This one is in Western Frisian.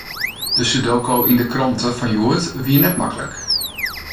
De sudoku yn de krante fan hjoed wie net maklik.